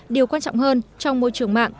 điều quan trọng hơn trong môi trường mạng